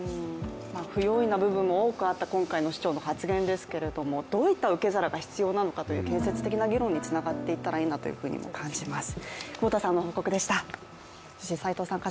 不用意な部分も多くあった今回の市長の発言ですけれどもどういった受け皿が必要なのかという建設的な議論につながっていったらいいなと感じます。